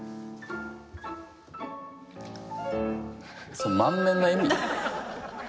それ満面の笑み？